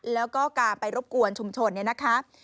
แล้วก็การไปรบกวนชุมชนเนี่ยนะคะ